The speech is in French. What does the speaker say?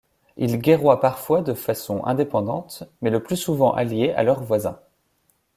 Ils guerroient parfois de façon indépendante, mais le plus souvent alliés à leurs voisins.